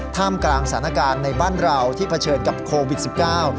ท่ามกลางสถานการณ์ในบ้านเราที่เผชิญกับโควิดสิบเก้า